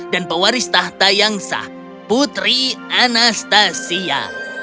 dan pewaris tahta yang sah putri anastasia